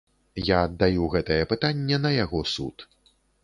Я аддаю гэтае пытанне на яго суд.